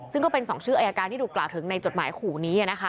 ซึ่งก็เป็น๒ชื่ออายการที่ถูกกล่าวถึงในจดหมายขู่นี้นะคะ